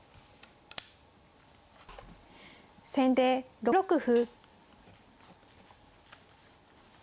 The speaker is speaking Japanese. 先手１六歩。